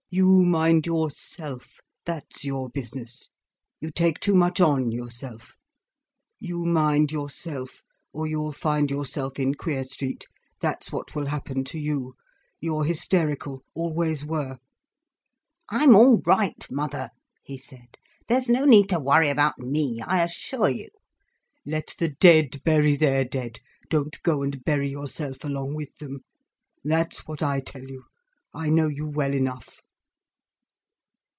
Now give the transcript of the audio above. "You mind yourself—that's your business. You take too much on yourself. You mind yourself, or you'll find yourself in Queer Street, that's what will happen to you. You're hysterical, always were." "I'm all right, mother," he said. "There's no need to worry about me, I assure you." "Let the dead bury their dead—don't go and bury yourself along with them—that's what I tell you. I know you well enough."